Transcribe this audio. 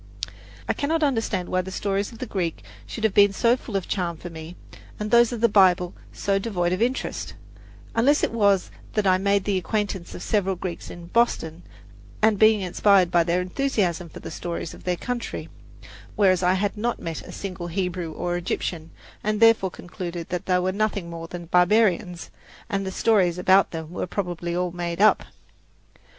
I cannot understand why the stories of the Greeks should have been so full of charm for me, and those of the Bible so devoid of interest, unless it was that I had made the acquaintance of several Greeks in Boston and been inspired by their enthusiasm for the stories of their country; whereas I had not met a single Hebrew or Egyptian, and therefore concluded that they were nothing more than barbarians, and the stories about them were probably all made up, which hypothesis explained the repetitions and the queer names.